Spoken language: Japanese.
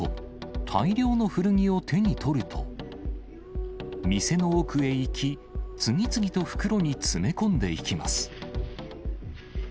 大量の古着を手に取ると、店の奥へ行き、次々と袋に詰め込んでいきます。